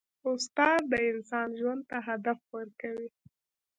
استاد د انسان ژوند ته هدف ورکوي.